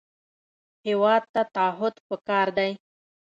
هېواد ته تعهد پکار دی